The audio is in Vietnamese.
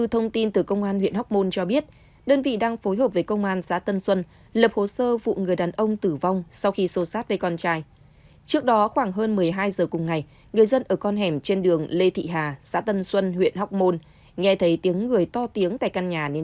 hãy đăng ký kênh để ủng hộ kênh của chúng mình nhé